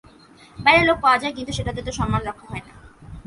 বাইরের লোক পাওয়া যায়, কিন্তু সেটাতে তো সম্মান রক্ষা হয় না।